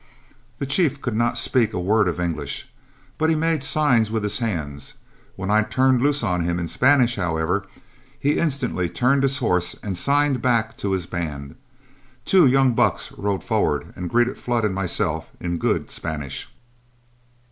The chief could not speak a word of English, but made signs with his hands; when I turned loose on him in Spanish, however, he instantly turned his horse and signed back to his band. Two young bucks rode forward and greeted Flood and myself in good Spanish.